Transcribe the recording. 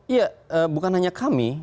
iya bukan hanya kami